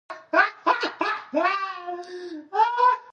موږ بايد د ژبې اصالت وساتو.